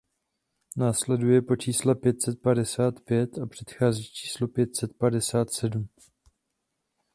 Následuje po čísle pět set padesát pět a předchází číslu pět set padesát sedm.